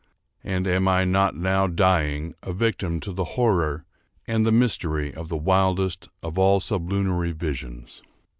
And am I not now dying a victim to the horror and the mystery of the wildest of all sublunary visions?